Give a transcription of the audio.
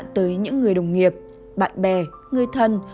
tới những người đồng nghiệp bạn bè người thân